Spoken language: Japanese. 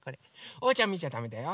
おうちゃんみちゃだめだよ。